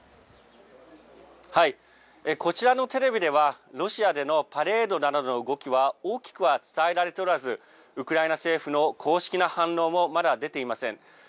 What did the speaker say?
こちらのテレビではロシアでのパレードなどの動きは大きくは伝えられておらずウクライナ政府の公式な反応もまだ出ていません。